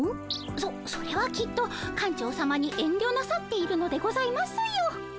そそれはきっと館長さまにえんりょなさっているのでございますよ。